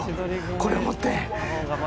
これを持って。